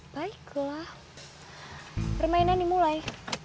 baiklah permainan ini mulai